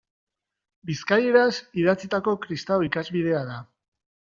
Bizkaieraz idatzitako kristau ikasbidea da.